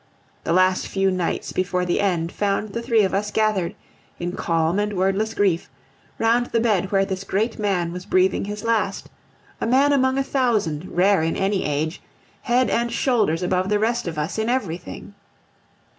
The last few nights before the end found the three of us gathered, in calm and wordless grief, round the bed where this great man was breathing his last, a man among a thousand, rare in any age, head and shoulders above the rest of us in everything.